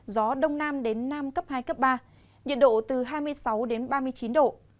gió đông nam đến nam cấp hai cấp ba nhiệt độ từ hai mươi sáu đến ba mươi chín độ